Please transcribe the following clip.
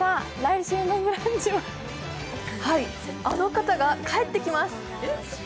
あの方が帰ってきます。